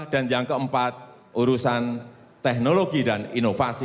dan yang keempat urusan teknologi dan inovasi